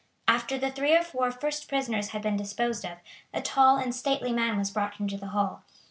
After the three or four first prisoners had been disposed of, a tall and stately man was brought into the hall.